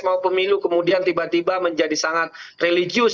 mau pemilu kemudian tiba tiba menjadi sangat religius